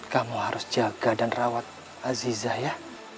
kamu harus jaga dan rawat azizah ya